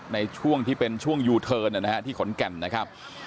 ในช่วงที่เป็นช่วงยูเทิร์นที่ขอนแก่นนะครับ